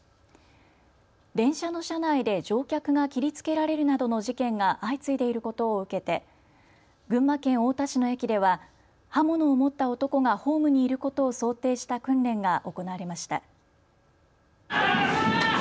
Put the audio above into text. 電車の車内で乗客が切りつけられるなどの事件が相次いでいることを受けて群馬県太田市の駅では刃物を持った男がホームにいることを想定した訓練が行われました。